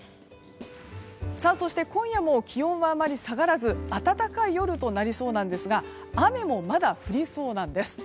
そして今夜も気温はあまり下がらず暖かい夜となりそうなんですが雨も、まだ降りそうなんです。